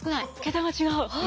桁が違う！